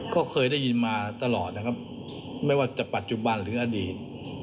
ก็เคยได้ยินมาตลอดนะครับไม่ว่าจะปัจจุบันหรืออดีต